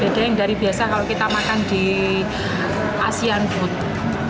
beda yang dari biasa kalau kita makan di asean food